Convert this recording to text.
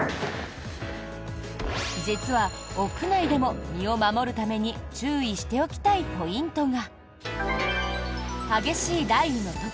実は、屋内でも身を守るために注意しておきたいポイントが。